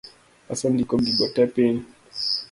Asendiko gigo tee piny